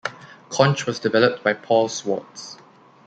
Conch was developed by Paul Swartz.